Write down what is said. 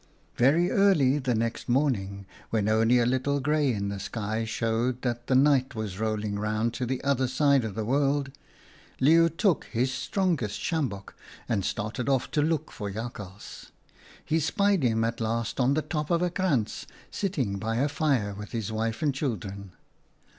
" Very early the next morning, when only a little grey in the sky shewed that the night was rolling round to the other side of the world, Leeuw took his strongest sjambok and started off to look for Jakhals. He spied him at last on the top of a krantz sitting by a fire with his wife and children.